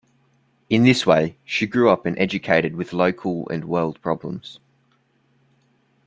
In this way, she grew up and educated with local and world problems.